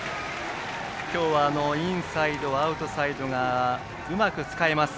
今日はインサイド、アウトサイドがうまく使えます。